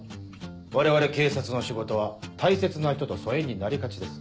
我々警察の仕事は大切な人と疎遠になりがちです。